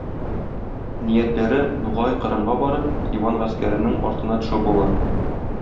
Ниятләре - Нугай, Кырымга барып, Иван гаскәренең артына төшү була.